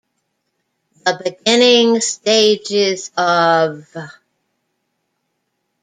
The Beginning Stages of...